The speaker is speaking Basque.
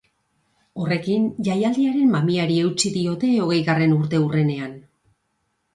Horrekin, jaialdiaren mamiari eutsi diote hogeigarren urteurrenean.